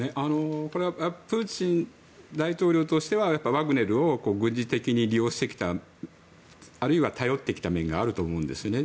プーチン大統領としてはワグネルを軍事的に利用してきたあるいは頼ってきた面があると思うんですよね。